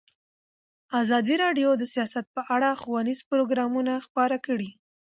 ازادي راډیو د سیاست په اړه ښوونیز پروګرامونه خپاره کړي.